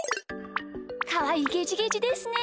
かわいいゲジゲジですね。